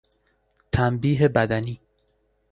تنبیه بدنی